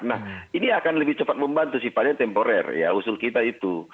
nah ini akan lebih cepat membantu sifatnya temporer ya usul kita itu